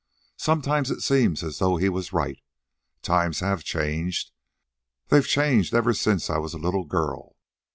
Sometimes it seems as though he was right. Times have changed. They've changed even since I was a little girl.